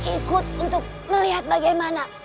ikut untuk melihat bagaimana